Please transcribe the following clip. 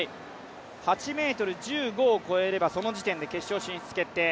８ｍ１５を越えれば、その時点で決勝進出決定。